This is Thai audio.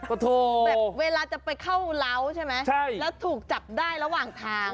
โอ้โหแบบเวลาจะไปเข้าเล้าใช่ไหมใช่แล้วถูกจับได้ระหว่างทาง